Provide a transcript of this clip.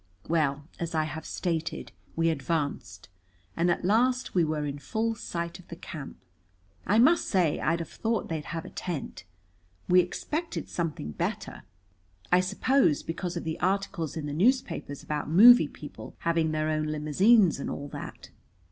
Well, as I have stated, we advanced, and at last we were in full sight of the camp. I must say I'd have thought they'd have a tent. We expected something better, I suppose, because of the articles in the papers about movie people having their own limousines, and all that.